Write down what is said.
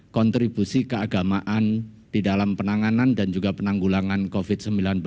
kontribusi keagamaan di dalam penanganan dan juga penanggulangan covid sembilan belas